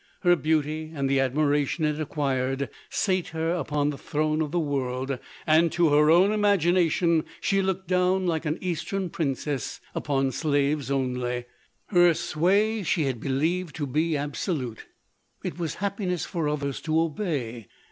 Her beauty and the admiration it acquired, sate her on the throne of the world, and, to her own imagination, she looked down like an eastern princess, upon slaves only : her sway she had believed to be absolute ; it was happiness for others to obey.